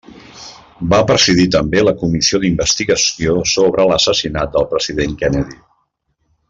Va presidir també la comissió d'investigació sobre l'assassinat del president Kennedy.